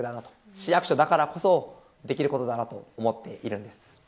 市役所だからこそできることだと思います。